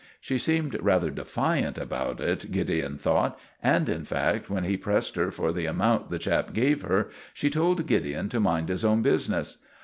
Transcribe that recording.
She seemed rather defiant about it, Gideon thought, and, in fact, when he pressed her for the amount the chap gave her, she told Gideon to mind his own business.